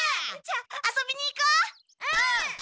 うん！